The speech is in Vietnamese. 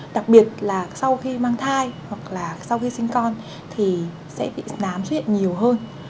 đặc biệt là sau khi mang thai hoặc là sau khi sinh con thì sẽ bị đám xuất hiện nhiều hơn